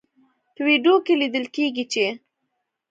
په ویډیو کې لیدل کیږي چې